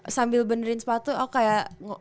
udah benerin sepatu aku kayak